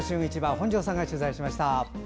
本庄さんが取材しました。